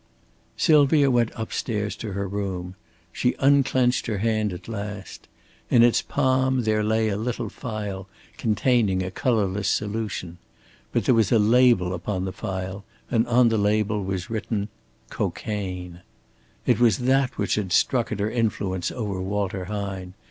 Sylvia went up stairs to her room. She unclenched her hand at last. In its palm there lay a little phial containing a colorless solution. But there was a label upon the phial, and on the label was written "cocaine." It was that which had struck at her influence over Walter Hine.